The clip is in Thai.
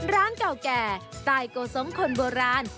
ร้านเก่าแก่สไตล์โกส้มคนโบราณ